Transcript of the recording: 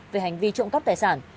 về hành vi trộm cắp tài sản